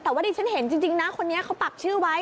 แต่ว่าดิฉันเห็นจริงนะคนนี้เขาปักชื่อไว้